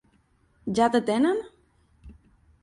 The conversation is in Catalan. Ja t'atenen?